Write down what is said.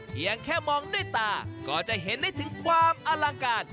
เพียงแค่มองด้วยตาก็จะเห็นได้ถึงความอลังการ